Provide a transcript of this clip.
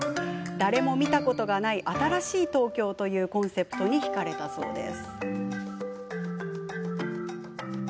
「誰も見たことがない新しい東京」というコンセプトにひかれたそうです。